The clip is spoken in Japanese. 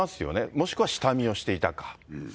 もしくは下見をしていたか。